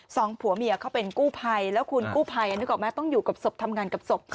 สองผัวเมียเขาเป็นกู้ภัยแล้วคุณกู้ภัยนึกออกไหมต้องอยู่กับศพทำงานกับศพ